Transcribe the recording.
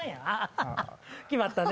決まったね。